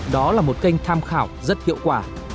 đó là một kênh tham khảo rất hiệu quả